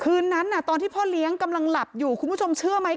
คืนนั้นตอนที่พ่อเลี้ยงกำลังหลับอยู่คุณผู้ชมเชื่อไหม